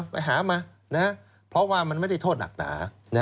ไปหามาเพราะว่ามันไม่ได้โทษหนักหนา